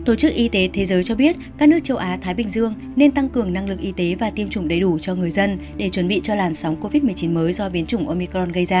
tổ chức y tế thế giới cho biết các nước châu á thái bình dương nên tăng cường năng lực y tế và tiêm chủng đầy đủ cho người dân để chuẩn bị cho làn sóng covid một mươi chín mới do biến chủng omicron gây ra